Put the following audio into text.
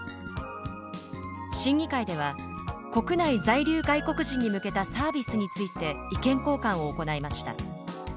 審議会では、国内在留外国人に向けたサービスについて意見交換を行いました。